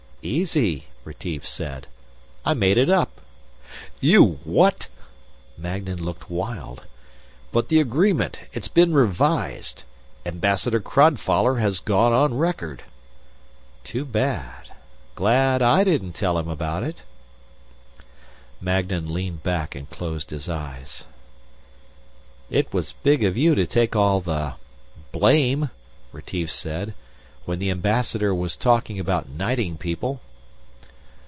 "Easy," Retief said. "I made it up." "You what!" Magnan looked wild. "But the agreement it's been revised! Ambassador Crodfoller has gone on record...." "Too bad. Glad I didn't tell him about it." Magnan leaned back and closed his eyes. "It was big of you to take all the ... blame," Retief said, "when the Ambassador was talking about knighting people."